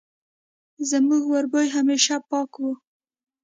زموږ وربوی همېشه پاک وو